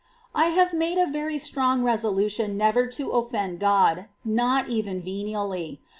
9. I have made a very strong resolution never to obedience, offend God, not even venially.